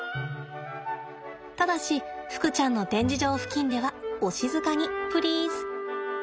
ただしふくちゃんの展示場付近ではお静かにプリーズ。